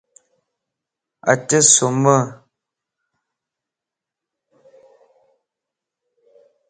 اچ سُمَ